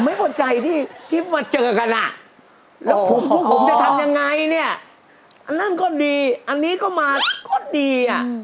ไม่พอใจที่ที่มาเจอกันอ่ะแล้วพวกผมจะทำยังไงเนี่ยอันนั้นก็ดีอันนี้ก็มาก็ดีอ่ะ